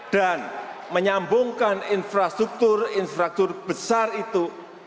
dan menyambungkan infrastruktur infrastruktur besar itu